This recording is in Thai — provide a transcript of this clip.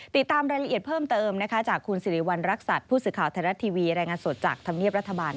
ติดตามรายละเอียดเพิ่มเติมจากคุณสิริวัณรักษัตริย์ผู้สื่อข่าวไทยรัฐทีวีรายงานสดจากธรรมเนียบรัฐบาล